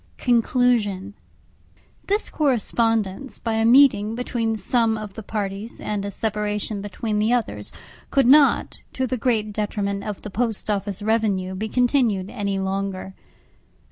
CONCLUSION This correspondence, by a meeting between some of the parties, and a separation between the others, could not, to the great detriment of the Post Office revenue, be continued any longer.